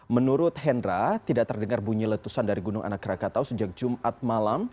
menurut hendra tidak terdengar bunyi letusan dari gunung anak rakatau sejak jumat malam